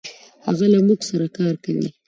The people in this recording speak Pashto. هغه له مونږ سره کار کوي.